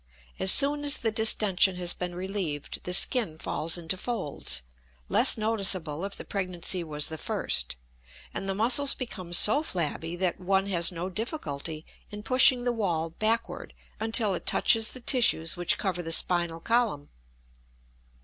As soon as the distention has been relieved the skin falls into folds, less noticeable if the pregnancy was the first; and the muscles become so flabby that one has no difficulty in pushing the wall backward until it touches the tissues which cover the spinal column.